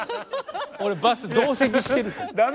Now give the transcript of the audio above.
俺バス同席してると思う。